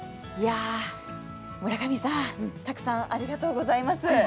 村上さん、たくさんありがとうございます。